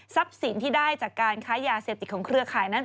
สินที่ได้จากการค้ายาเสพติดของเครือข่ายนั้น